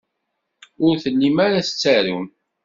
Ur tellim ara tettarum.